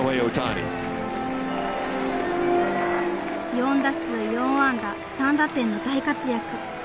４打数４安打３打点の大活躍。